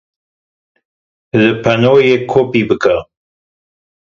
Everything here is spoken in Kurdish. Li panoyê kopî bike.